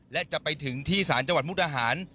และจะไปถึงที่ศาลจังหวัดมุกดาหาร